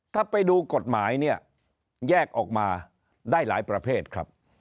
ถ้าไปดูกฎหมายเนี่ยแยกออกมาได้หลายประเภทครับ